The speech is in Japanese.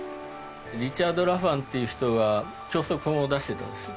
リチャード・ラファンっていう人が教則本を出してたんですよ。